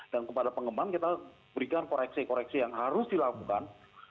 dan kepada pengembang kita berikan koreksi koreksi yang harus dilakukan